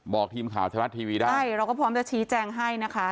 บอกทีมข่าวไทยรัฐทีวีได้ใช่เราก็พร้อมจะชี้แจงให้นะคะ